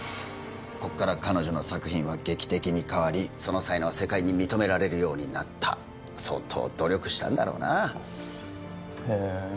ここから彼女の作品は劇的に変わりその才能は世界に認められるようになった相当努力したんだろうなあへえ